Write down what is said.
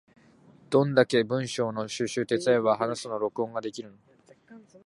どんだけ文章の収集手伝えば話すの録音ができるの？